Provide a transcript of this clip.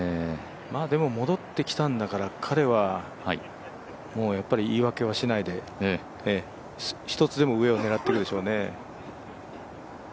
でも、戻ってきたんだから、彼は言い訳はしないで、１つでも上を狙っていくでしょうね